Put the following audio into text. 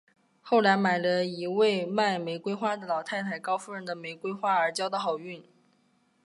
后来买了一位卖玫瑰花的老太太高夫人的玫瑰花而交到好运。